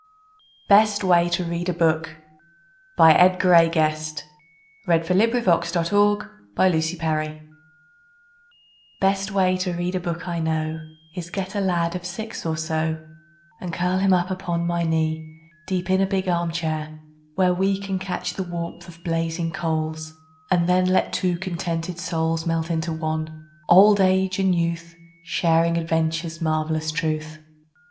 Than that of him who is a boy, a little boy on Christmas Day. Best Way to Read a Book Best way to read a book I know Is get a lad of six or so, And curl him up upon my knee Deep in a big arm chair, where we Can catch the warmth of blazing coals, And then let two contented souls Melt into one, old age and youth, Sharing adventure's marvelous truth.